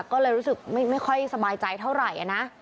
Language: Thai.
ก็เลยรู้สึกไม่ค่อยสบายใจเท่าไหร่นะ